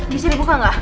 bisa di buka gak